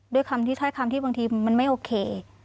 ด้วยคำที่แท้คำที่บางทีมันไม่โอเค